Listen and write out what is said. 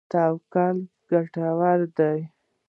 توکل ګټور دی.